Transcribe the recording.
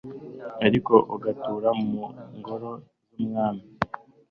ariko ugatura mu ngoro z'umwami